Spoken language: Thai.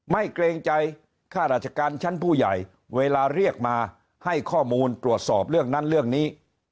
เกรงใจข้าราชการชั้นผู้ใหญ่เวลาเรียกมาให้ข้อมูลตรวจสอบเรื่องนั้นเรื่องนี้